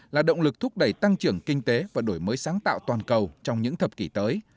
là động lực thúc đẩy tăng trưởng kinh tế và đổi mới sáng tạo toàn cầu trong những thập kỷ tới